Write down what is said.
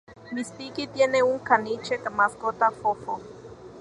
Miss Piggy tiene un caniche mascota, Foo-Foo.